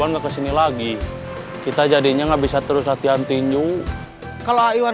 nggak kesini lagi kita jadinya nggak bisa terus latihan tinju kalau iwan